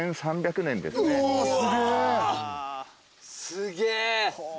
すげえ。